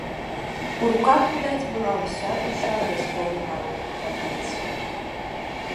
У руках відаць была ўся душа вясковай гаротнай кабеціны.